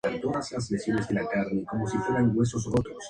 Ambos ataques fallaron y las fuerzas israelíes sufrieron numerosas bajas.